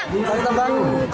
lomba tambang kamu joget gitu